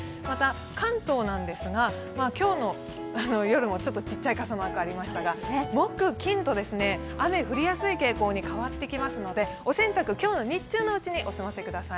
関東ですが、今日の夜もちょっと小さい傘マークがありますが木・金と雨が降りやすい傾向に変わってきますので、お洗濯は今日の日中のうちにお済ませください。